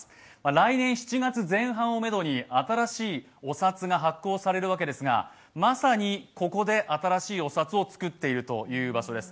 来年７月前半をめどに新しいお札が発行されるわけですがまさにここで新しいお札を作っているという場所です。